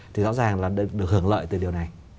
thì rõ ràng là được hưởng lợi từ điều này